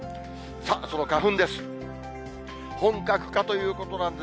さあ、その花粉です。